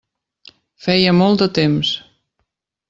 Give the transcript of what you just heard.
Feia molt de temps.